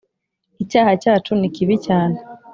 icyaha cyacu nikibi cyane